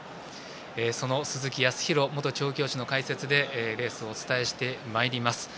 鈴木康弘元調教師の解説でレースをお伝えしてまいります。